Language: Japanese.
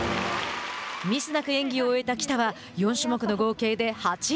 ミスなく演技を終えた喜田は４種目の合計で８位。